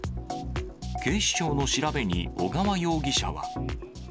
警視庁の調べに小川容疑者は。